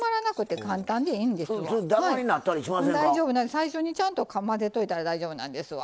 最初にちゃんと混ぜといたら大丈夫なんですわ。